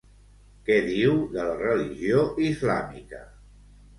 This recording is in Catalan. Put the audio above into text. Què diu de la religió islàmica?